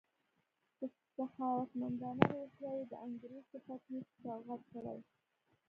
په سخاوتمندانه روحیه یې د انګریز په پطنوس کې سوغات کړې.